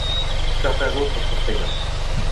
Certains autres sont payants.